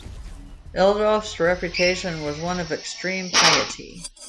Ealdwulf's reputation was one of extreme piety.